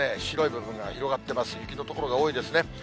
白い部分が広がってます、雪の所が多いですね。